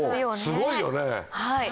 すごいよね。